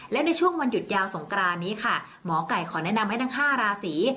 และในช่วงวันหยุดยาวสงกรานนี้ค่ะหมอไก่ขอแนะนำให้ทั้ง๕ราศี